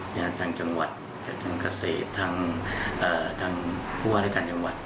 ทางจังหวัดทางเกษตรทางผู้ว่ารายการจังหวัด